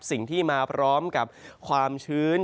สิ่งที่มาพร้อมกับความชื้น